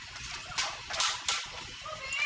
mau jadi kayak gini sih salah buat apa